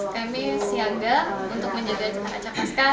kami siaga untuk menjaga cekat cekat pasca